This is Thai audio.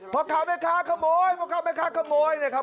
พ่อข้าวไหมคะขโมยพ่อข้าวไหมคะขโมยนะครับ